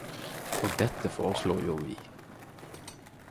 Og dette foreslår jo vi.